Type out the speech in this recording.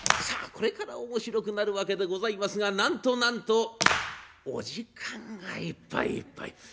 さあこれから面白くなるわけでございますがなんとなんとお時間がいっぱいいっぱい。